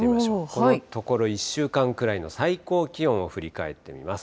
このところ、１週間くらいの最高気温を振り返ってみます。